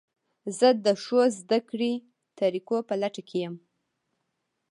زه د ښو زده کړې طریقو په لټه کې یم.